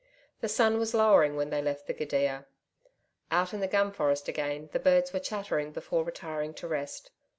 The sun was lowering when they left the gidia. Out in the gum forest again, the birds were chattering before retiring to rest.